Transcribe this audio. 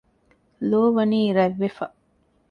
ލޯ ވަނީ ރަތް ވެފަ